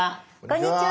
こんにちは。